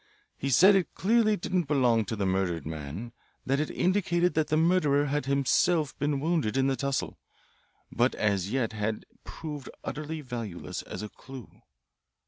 "He said it clearly didn't belong to the murdered man, that it indicated that the murderer had himself been wounded in the tussle, but as yet it had proved utterly valueless as a clue.